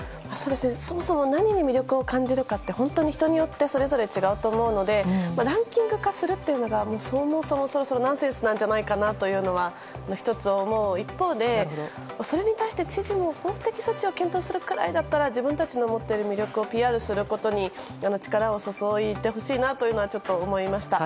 そもそも何に魅力を感じるかは人によってそれぞれ違うと思うのでランキング化するというのがそもそも、そろそろナンセンスなんじゃないかなと１つ、思う一方でそれに対して知事も法的措置を検討するくらいだったら自分たちの持っている魅力をＰＲすることに力を注いでほしいなと思いました。